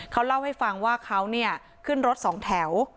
เขาเล่าให้ฟังว่าเขาขึ้นรถสองแถว